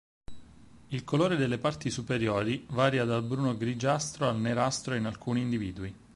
Il colore delle parti superiori varia dal bruno-grigiastro al nerastro in alcuni individui.